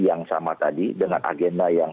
yang sama tadi dengan agenda yang